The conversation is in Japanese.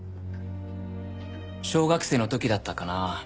小学生の時だったかなあ。